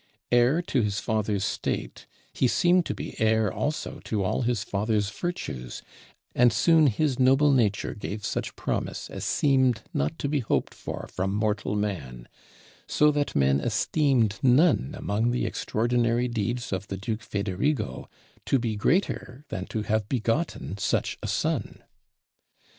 Heir to his father's state, he seemed to be heir also to all his father's virtues, and soon his noble nature gave such promise as seemed not to be hoped for from mortal man; so that men esteemed none among the extraordinary deeds of the Duke Federigo to be greater than to have begotten such a son.